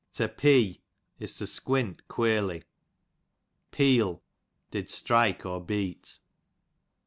To Pee, is to squint queerly. Peel, did strike or beat.